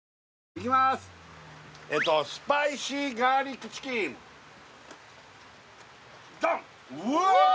いきまーすええとスパイシーガーリックチキンドン！